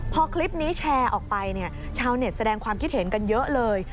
พอคลิปนี้แชร์ออกไปเนี่ยชาวเน็ตแสดงความคิดเห็นกันเยอะเลย